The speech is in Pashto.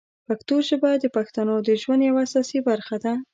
پښتو ژبه د پښتنو د ژوند یوه اساسي برخه ده.